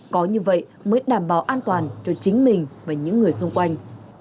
có như vậy mới đảm bảo an toàn cho chính mình và những người xung quanh